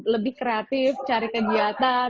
lebih kreatif cari kegiatan